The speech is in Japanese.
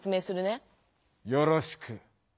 よろしく。